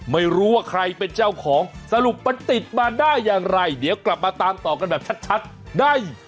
ไม่รู้ว่าใครเป็นเจ้าของสรุปมันติดมาได้อย่างไรเดี๋ยวกลับมาตามต่อกันแบบชัดได้